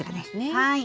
はい。